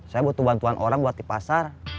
saya butuh bantuan orang buat di pasar